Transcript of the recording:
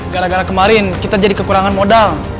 gara gara kemarin kita jadi kekurangan modal